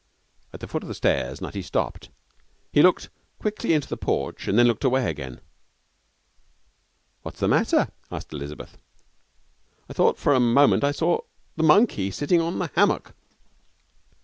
At the foot of the stairs Nutty stopped. He looked quickly into the porch, then looked away again. 'What's the matter?' asked Elizabeth. 'I thought for a moment I saw the monkey sitting on the hammock.'